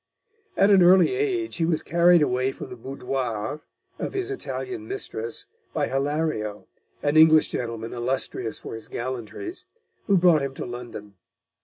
At an early age he was carried away from the boudoir of his Italian mistress by Hillario, an English gentleman illustrious for his gallantries, who brought him to London.